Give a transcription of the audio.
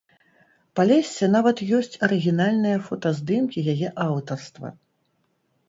Палесся нават ёсць арыгінальныя фотаздымкі яе аўтарства.